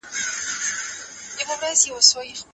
موږ د نفتو پر ځای زعفران لرو.